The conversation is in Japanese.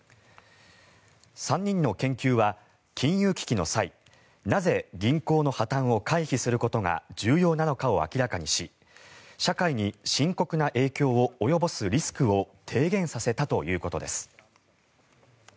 ３人の研究は、金融危機の際なぜ銀行の破たんを回避することが重要なのかを明らかにし社会に深刻な影響を及ぼすリスクを低減させたということです。